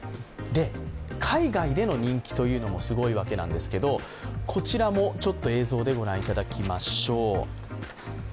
海外での人気というのもすごいわけなんですけど、こちらも映像でご覧いただきましょう。